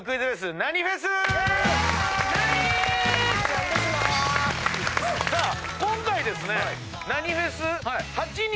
何⁉さあ今回ですね。